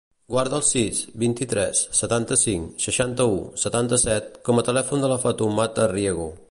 Guarda el sis, vint-i-tres, setanta-cinc, seixanta-u, setanta-set com a telèfon de la Fatoumata Riego.